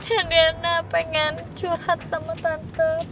jangan pengen curhat sama tante